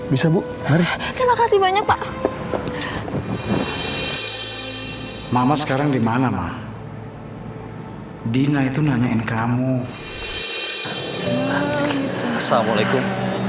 bisa bu mari terima kasih banyak pak mama sekarang dimana mah dina itu nanyain kamu assalamualaikum